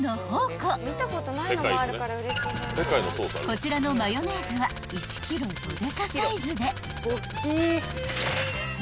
［こちらのマヨネーズは１ｋｇどでかサイズで］